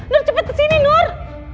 nur cepet kesini nur